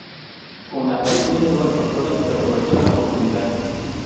Con la aparición de nuevas consolas se aprovechó la oportunidad.